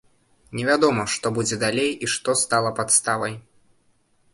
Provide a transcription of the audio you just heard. Невядома, што будзе далей і што стала падставай.